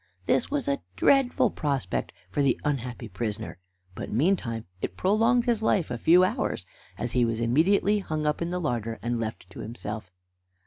This was a dreadful prospect for the unhappy prisoner, but meantime it prolonged his life a few hours, as he was immediately hung up in the larder and left to himself.